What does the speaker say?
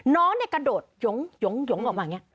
น้องกระโดดหยงออกมาอย่างนี้